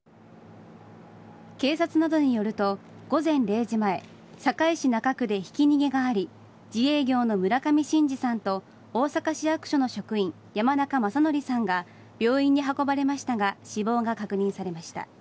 警察などによると午前０時前堺市中区でひき逃げがあり自営業の村上伸治さんと大阪市役所の職員山中正規さんが病院に運ばれましたが死亡が確認されました。